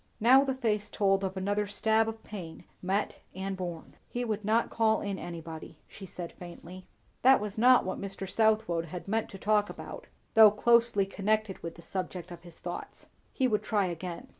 Now the face told of another stab of pain, met and borne. "He would not call in anybody," she said faintly. That was not what Mr. Southwode had meant to talk about, though closely connected with the subject of his thoughts. He would try again.